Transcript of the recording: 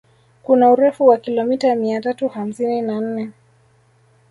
Kuna urefu wa kilomita mia tatu hamsini na nne